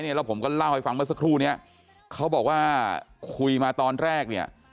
แล้วผมก็เล่าให้ฟังเมื่อสักครู่นี้เขาบอกว่าคุยมาตอนแรกเนี่ย